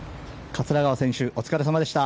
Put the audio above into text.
桂川選手お疲れさまでした。